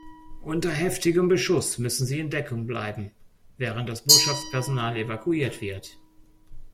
Unter heftigem Beschuss müssen sie in Deckung bleiben, während das Botschaftspersonal evakuiert wird.